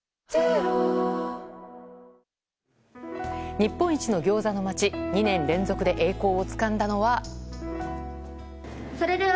日本一のギョーザの町２年連続で栄光をつかんだのは。